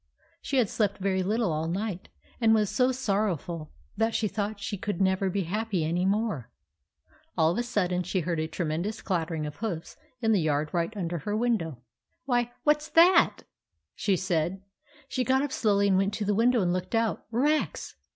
She had slept very little all night, and was so sorrowful that she thought she could never be happy any more. All of a sudden she heard a tremendous clattering of hoofs in the yard right under her window. 64 THE ADVENTURES OF MABEL " Why, what 's that ?" she said. She got up slowly and went to the win dow and looked out. Rex!